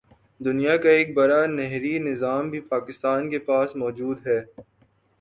دنیا کا ایک بڑا نہری نظام بھی پاکستان کے پاس موجود ہے